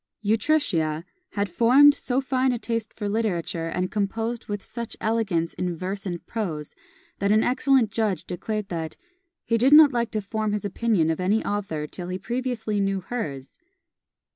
Utrecia had formed so fine a taste for literature, and composed with such elegance in verse and prose, that an excellent judge declared that "he did not like to form his opinion of any author till he previously knew hers."